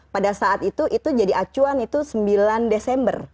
pada saat itu itu jadi acuan itu sembilan desember